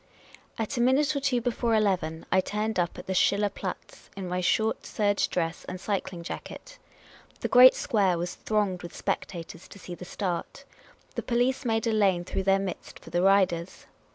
At a minute or two before eleven I turned up at the Schiller Platz in my short serge dress and cycling jacket. The Inquisitive American 79 The great square was thronged with spectators to see the start ; the police made a lane through their midst for the riders.